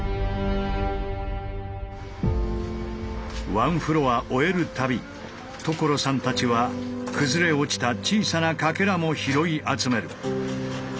ワンフロア終える度所さんたちは崩れ落ちた小さなかけらも拾い集める。